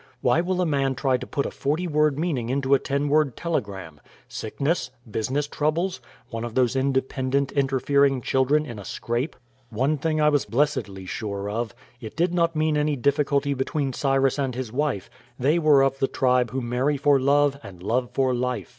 (Why will a man try to put a forty word meaning into a ten word telegram?) Sickness? Business troubles? One of those independent, interfering children in a scrape? One thing I was blessedly sure of: it did not mean any difficulty between Cyrus and his wife; they were of the tribe who marry for love and love for life.